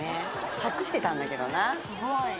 隠してたんだけどすごい。